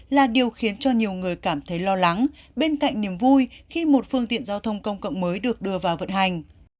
là điều khiến cho nhiều người cảm thấy lo lắng bên cạnh niềm vui khi một phương tiện giao thông công cộng mới được đưa vào vận hành